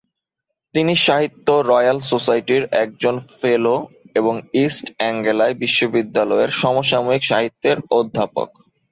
তিনি সাহিত্য রয়্যাল সোসাইটির একজন ফেলো এবং ইস্ট এঙ্গেলায় বিশ্ববিদ্যালয়ের সমসাময়িক সাহিত্যের অধ্যাপক।